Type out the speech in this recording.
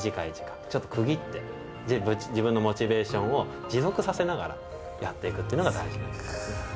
ちょっと区切って自分のモチベーションを持続させながらやっていくっていうのが大事なんです。